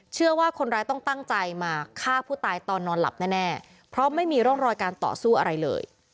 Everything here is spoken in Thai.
เชื่อว่าคนร้ายต้องตั้งใจมาฆ่าผู้ตายตอนนอนหลับแน่เพราะไม่มีร่องรอยการต่อสู้อะไรเลย